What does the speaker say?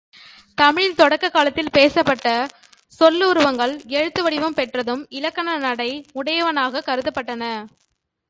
தமிழில் தொடக்கக் காலத்தில் பேசப்பட்ட சொல்லுருவங்கள், எழுந்து வடிவம் பெற்றதும், இலக்கண நடை உடையனவாகக் கருதப்பட்டன.